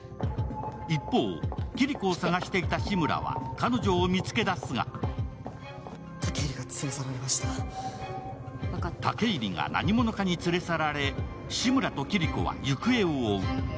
一方、キリコを探していた志村は彼女を見つけ出すが武入が何者かに連れ去られ志村とキリコは行方を追う。